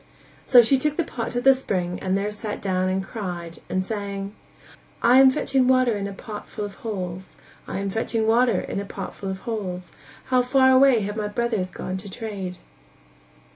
So she took the pot to the spring and there sat down and cried and sang: "I am fetching water in a pot full of holes, I am fetching water in a pot full of holes, How far away have my brothers gone to trade."